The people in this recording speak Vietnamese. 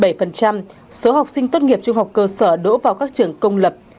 với bảy phần trăm số học sinh tốt nghiệp trung học cơ sở đỗ vào các trường công lập